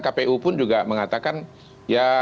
kpu pun juga mengatakan ya